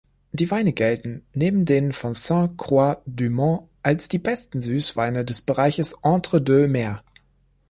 Die Weine gelten neben denen von Sainte-Croix-du-Mont als die besten Süßweine des Bereiches Entre-Deux-Mers.